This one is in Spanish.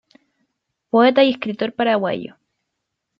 Poeta y escritor paraguayo.